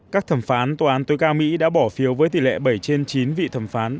các thẩm phán tòa án tối cao mỹ đã bỏ phiếu với tỷ lệ bảy trên chín vị thẩm phán